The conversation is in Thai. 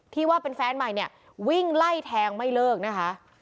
ที่ว่าเป็นแฟนใหม่เนี่ยวิ่งไล่แทงไม่เลิกนะคะ